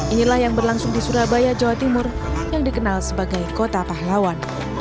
inilah yang berlangsung di surabaya jawa timur yang dikenal sebagai kota pahlawan